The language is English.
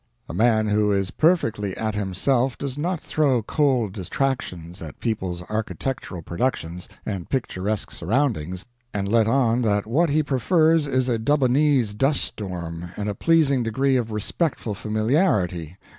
A man who is perfectly at himself does not throw cold detraction at people's architectural productions and picturesque surroundings, and let on that what he prefers is a Dubbonese dust storm and a pleasing degree of respectful familiarity.